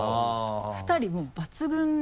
２人もう抜群で。